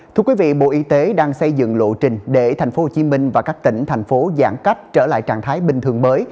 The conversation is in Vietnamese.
thưa quý vị bộ y tế đang xây dựng lộ trình để tp hcm và các tỉnh thành phố giãn cách trở lại trạng thái bình thường mới